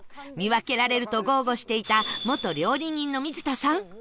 見分けられると豪語していた元料理人の水田さん